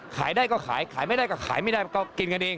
ขายได้ก็ขายขายไม่ได้ก็ขายไม่ได้ก็กินกันเอง